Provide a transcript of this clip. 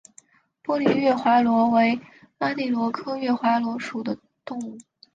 玻璃月华螺为阿地螺科月华螺属的动物。